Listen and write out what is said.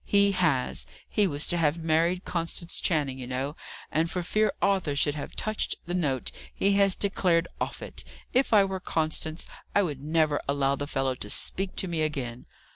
He has. He was to have married Constance Channing, you know, and, for fear Arthur should have touched the note, he has declared off it. If I were Constance, I would never allow the fellow to speak to me again."